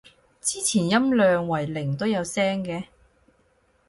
之前音量為零都有聲嘅